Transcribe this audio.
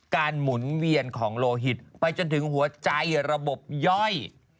หมุนเวียนของโลหิตไปจนถึงหัวใจระบบย่อย